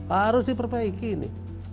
harus diperbaiki ini